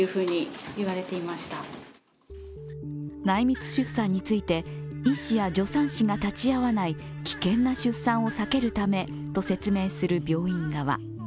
内密出産について、医師や助産師が立ち会わない危険な出産を避けるためと説明する病院側。